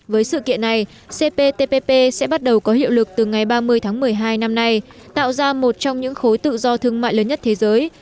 với sự kiện này cptpp sẽ bắt đầu có hiệu lực từ ngày ba mươi tháng một mươi hai năm nay tạo ra một trong những khối tự do thương mại lớn nhất thế giới